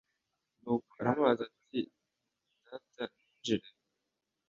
nuko aramubaza ati data ninjire